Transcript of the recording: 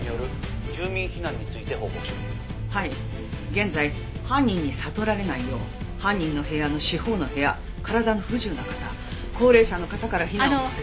現在犯人に悟られないよう犯人の部屋の四方の部屋体の不自由な方高齢者の方から避難させ。